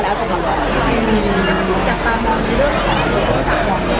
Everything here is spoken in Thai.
แล้วมันถูกจากประมวลในเรื่องของคนที่รับรู้จากประมวล